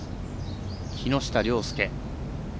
木下稜介。